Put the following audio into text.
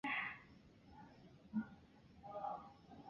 棉毛黄耆是豆科黄芪属的植物。